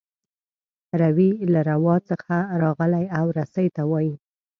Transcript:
روي له روا څخه راغلی او رسۍ ته وايي.